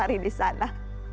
lari di sana